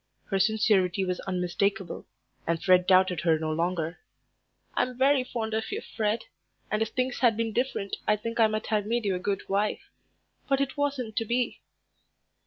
Her sincerity was unmistakable, and Fred doubted her no longer. "I'm very fond of you, Fred, and if things had been different I think I might have made you a good wife. But it wasn't to be."